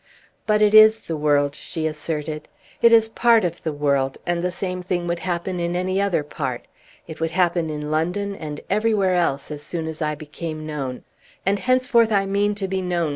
"But it is the world," she asserted. "It is part of the world, and the same thing would happen in any other part. It would happen in London, and everywhere else as soon as I became known. And henceforth I mean to be known!"